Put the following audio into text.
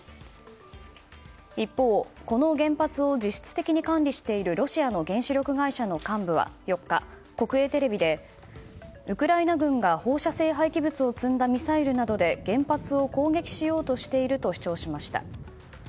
一方、この原発を実施的に管理しているロシアの原子力会社の幹部は４日国営テレビでウクライナ軍が放射性廃棄物を積んだミサイルなどで原発を攻撃しようとしていると主張しました。